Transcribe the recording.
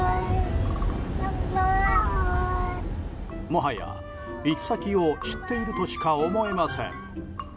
もはや、行き先を知っているとしか思えません。